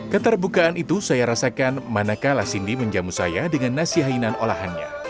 keterbukaan itu saya rasakan manakala cindy menjamu saya dengan nasi hainan olahannya